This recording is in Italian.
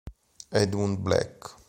Edmund Black